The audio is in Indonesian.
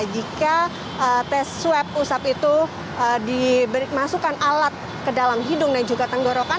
jika tes swab usap itu dimasukkan alat ke dalam hidung dan juga tenggorokan